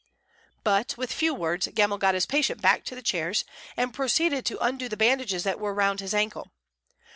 But, with few words, Gemmell got his patient back to the chairs, and proceeded to undo the bandages that were round his ankle.